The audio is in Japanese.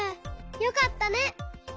よかったね。